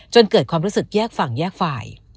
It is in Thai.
จนเกิดความรู้สึกแยกฝั่งแยกฝ่าย